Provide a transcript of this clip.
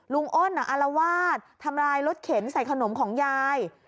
อ้นอารวาสทำลายรถเข็นใส่ขนมของยาย